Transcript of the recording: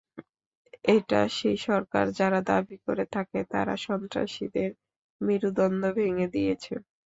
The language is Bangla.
এটা সেই সরকার, যারা দাবি করে থাকে, তারা সন্ত্রাসীদের মেরুদণ্ড ভেঙে দিয়েছে।